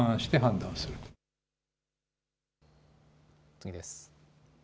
次です。